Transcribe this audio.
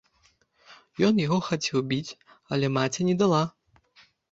Ён яго хацеў біць, але маці не дала.